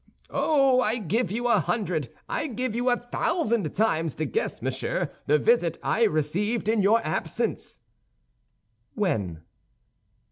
"Oh! I give you a hundred, I give you a thousand times to guess, monsieur, the visit I received in your absence." "When?"